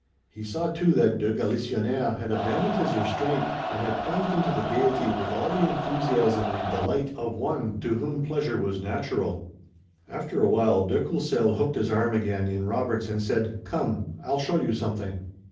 He saw too that de Galisonnière had abandoned his restraint, and had plunged into the gayety with all the enthusiasm and delight of one to whom pleasure was natural. After a while de Courcelles hooked his arm again in Robert's and said: "Come, I'll show you something."